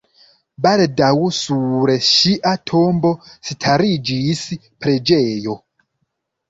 Baldaŭ sur ŝia tombo stariĝis preĝejo.